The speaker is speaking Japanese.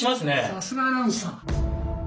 さすがアナウンサー。